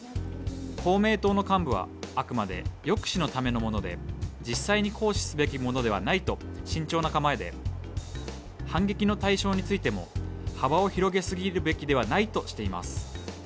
公明党の幹部は、あくまで抑止のもので実際に行使すべきものではないと慎重な構えで、反撃の対象についても、幅を広げすぎるべきではないとしています。